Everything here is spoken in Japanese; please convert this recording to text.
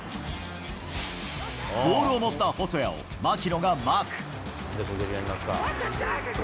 ボールを持った細谷を槙野がマーク。